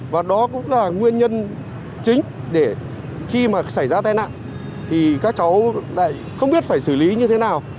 và đó cũng là nguyên nhân chính để khi mà xảy ra tai nạn thì các cháu lại không biết phải xử lý như thế nào